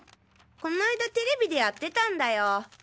この間テレビでやってたんだよ。